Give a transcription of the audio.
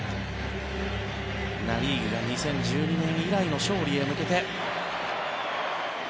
ナ・リーグが２０１１年以来の勝利へ向けて。